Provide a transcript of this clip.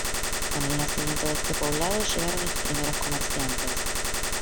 Con el nacimiento de este poblado, llegaron los primeros comerciantes.